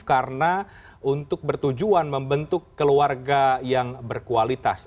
karena untuk bertujuan membentuk keluarga yang berkualitas